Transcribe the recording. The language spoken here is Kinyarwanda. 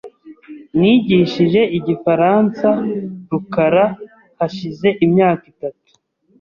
Nigishije igifaransa rukara hashize imyaka itatu .